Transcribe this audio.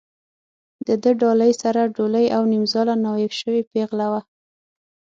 د ده ډالۍ سره ډولۍ او نیمزاله ناوې شوې پېغله وه.